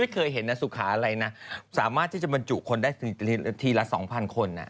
เคยเห็นนะสุขาอะไรนะสามารถที่จะบรรจุคนได้ทีละ๒๐๐คน